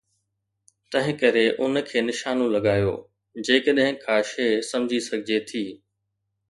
تنهن ڪري ان کي نشان لڳايو جيڪڏهن ڪا شيء سمجهي سگهجي ٿي.